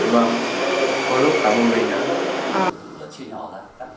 vâng có lúc đàn đống mình